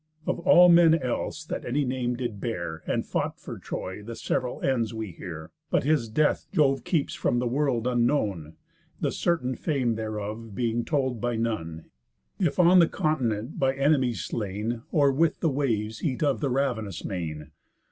Of all men else, that any name did bear, And fought for Troy, the sev'ral ends we hear; But his death Jove keeps from the world unknown, The certain fame thereof being told by none; If on the continent by enemies slain, Or with the waves eat of the ravenous main.